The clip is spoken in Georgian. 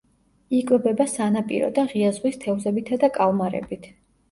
იკვებება სანაპირო და ღია ზღვის თევზებითა და კალმარებით.